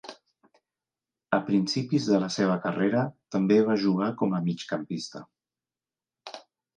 A principis de la seva carrera també va jugar com a migcampista.